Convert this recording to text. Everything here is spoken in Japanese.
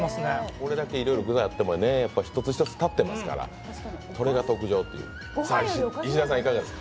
これだけ具材がいろいろあっても一つ一つ立ってますからこれが特上っていう。